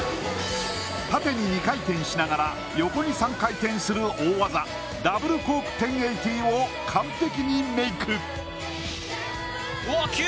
縦に２回転しながら、横に３回転する大技ダブルコーク１０８０を完璧にメイク。